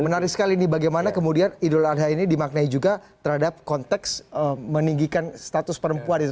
menarik sekali ini bagaimana kemudian idul adha ini dimaknai juga terhadap konteks meninggikan status perempuan